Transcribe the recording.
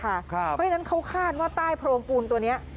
เพราะฉะนั้นเขาคาดว่าใต้โพรงปูนตัวนี้